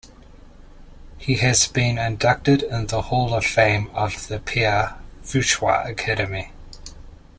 He has been inducted in the hall of fame of the Pierre Fauchard Academy.